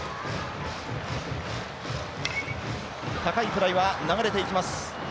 高いフライは流れていきます。